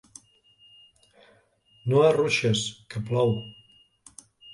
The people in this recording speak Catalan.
No arruixes, que plou.